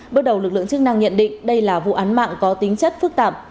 bước đầu lực lượng chức năng nhận định đây là vụ án mạng có tính chất phức tạp